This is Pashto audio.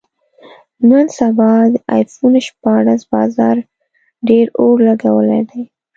نن سبا د ایفون شپاړس بازار ډېر اور لګولی دی.